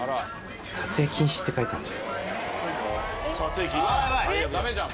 「撮影禁止」って書いてあんじゃん。